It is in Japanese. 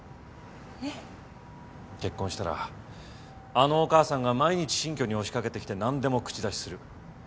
えっ？結婚したらあのお母さんが毎日新居に押し掛けてきて何でも口出しする。